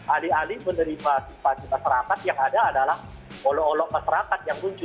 alih alih menerima simpati masyarakat yang ada adalah olok olok masyarakat yang muncul